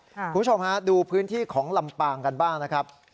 คุณผู้ชมฮะดูพื้นที่ของลำปางกันบ้างนะครับ